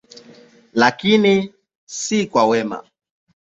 Lakini si kwa mema.